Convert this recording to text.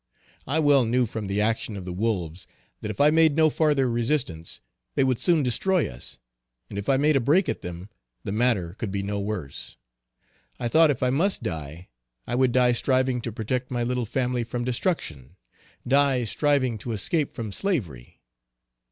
I well knew from the action of the wolves, that if I made no farther resistance, they would soon destroy us, and if I made a break at them, the matter could be no worse. I thought if I must die, I would die striving to protect my little family from destruction, die striving to escape from slavery.